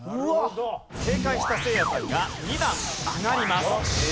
正解したせいやさんが２段上がります。